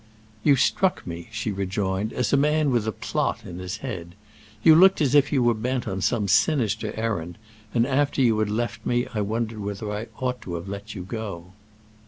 "You struck me," she rejoined, "as a man with a plot in his head. You looked as if you were bent on some sinister errand, and after you had left me I wondered whether I ought to have let you go."